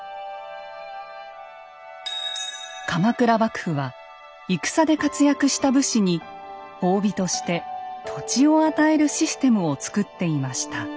鎌倉幕府は戦で活躍した武士に褒美として土地を与えるシステムをつくっていました。